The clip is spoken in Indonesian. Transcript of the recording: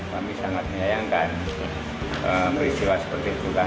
kami sangat menyayangkan peristiwa seperti itulah